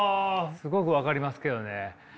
すごく分かりますけどね。